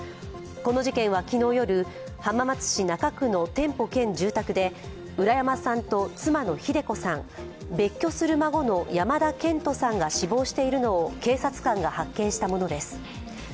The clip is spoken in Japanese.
この事件は昨日夜、浜松市中区の店舗兼住宅で浦山さんと妻の秀子さん、別居する孫の山田健人さんが死亡しているのを警察官が発見したものです。